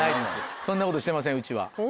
そんなことしてませんうちは。